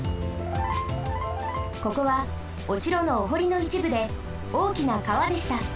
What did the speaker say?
ここはおしろのおほりのいちぶでおおきなかわでした。